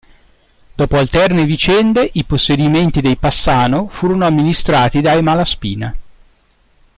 Dopo alterne vicende i possedimenti dei Passano furono amministrati dai Malaspina.